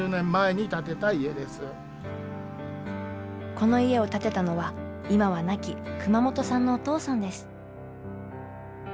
この家を建てたのは今は亡き熊本さんのお父さんです。